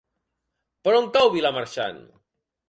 Per on cau Vilamarxant?